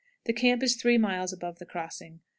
The camp is three miles above the crossing.